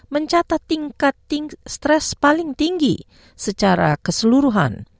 mencatat tingkat stres paling tinggi secara keseluruhan